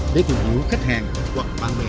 để tự hữu khách hàng hoặc bạn bè